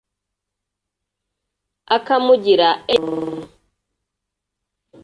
akamugira Lt General